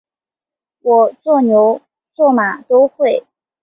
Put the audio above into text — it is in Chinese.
我做牛做马都会